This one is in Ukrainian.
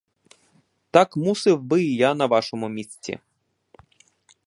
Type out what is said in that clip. Так мусів би і я на вашому місці.